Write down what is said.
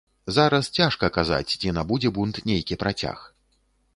Зараз цяжка казаць, ці набудзе бунт нейкі працяг.